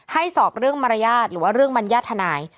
สอบเรื่องมารยาทหรือว่าเรื่องมัญญาติทนาย